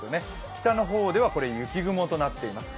北の方では雪雲となっています。